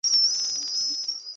তোমরা হেডসেট পড়ে নাও।